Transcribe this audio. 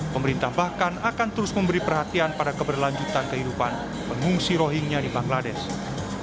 pemerintah bahkan akan terus memberi perhatian pada keberlanjutan kehidupan pengungsi rohingya di bangladesh